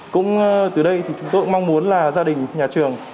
cũng từ đây chúng tôi mong muốn là gia đình nhà trường